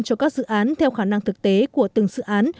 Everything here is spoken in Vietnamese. cho các dự án theo khả năng thực tế của từng dự án